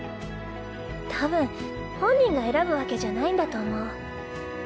多分本人が選ぶわけじゃないんだと思う。